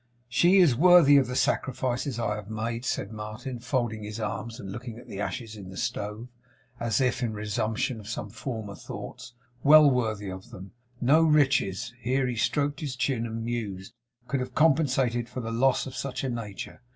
'She is worthy of the sacrifices I have made,' said Martin, folding his arms, and looking at the ashes in the stove, as if in resumption of some former thoughts. 'Well worthy of them. No riches' here he stroked his chin and mused 'could have compensated for the loss of such a nature.